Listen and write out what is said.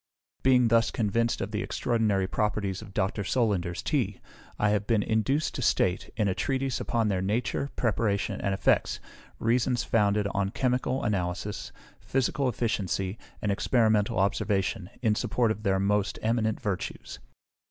Being thus convinced of the extraordinary properties of Dr. Solander's Tea, I have been induced to state, in a Treatise upon their Nature, Preparation, and Effects, reasons founded on chemical analysis, physical efficiency, and experimental observation, in support of their most eminent virtues.